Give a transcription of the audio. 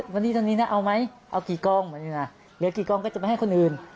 วันนี้ตอนนี้นะเอาไหมเอากี่กองวันนี้นะเหลือกี่กองก็จะไม่ให้คนอื่น